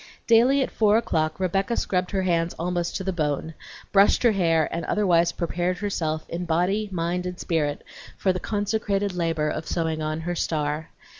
Daily at four o'clock Rebecca scrubbed her hands almost to the bone, brushed her hair, and otherwise prepared herself in body, mind, and spirit for the consecrated labor of sewing on her star.